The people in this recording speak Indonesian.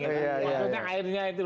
maksudnya airnya itu